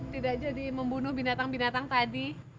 tidak jadi membunuh binatang binatang tadi